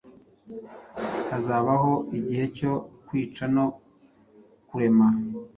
Hazabaho igihe cyo kwica no kurema